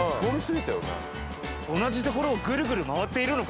同じ所をぐるぐる回っているのか？